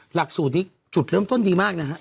หลักสูตรนี้จุดเริ่มต้นดีมากนะฮะ